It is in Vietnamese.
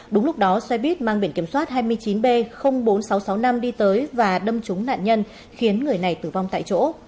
đúng lúc đó xe buýt mang biển kiểm soát hai mươi chín b bốn nghìn sáu trăm sáu mươi năm đi tới và đâm trúng nạn nhân khiến người này tử vong tại chỗ